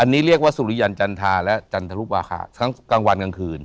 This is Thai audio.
อันนี้เรียกว่าสุริยันจันทาและจันทรุวาคาทั้งกลางวันกลางคืน